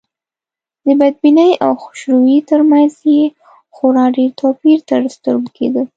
د بدبینۍ او خوشروی تر منځ یې خورا ډېر توپير تر سترګو کېده.